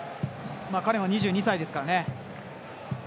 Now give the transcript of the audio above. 彼も２２歳ですからね。